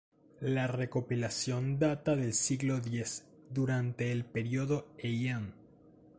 La recopilación data del siglo X, durante el período Heian.